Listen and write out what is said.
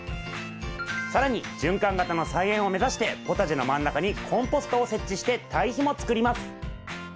更に循環型の菜園を目指してポタジェの真ん中にコンポストを設置して堆肥も作ります。